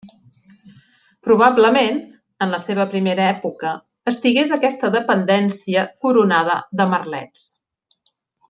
Probablement, en la seva primera època, estigués aquesta dependència coronada de merlets.